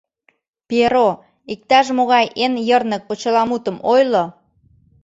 Пьеро, иктаж-могай эн йырнык почеламутым ойло.